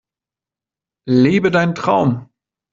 Lebe deinen Traum!